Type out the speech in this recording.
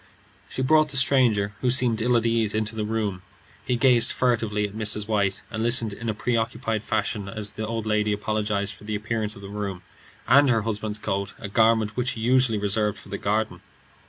She brought the stranger, who seemed ill at ease, into the room. He gazed at her furtively, and listened in a preoccupied fashion as the old lady apologized for the appearance of the room, and her husband's coat, a garment which he usually reserved for the garden.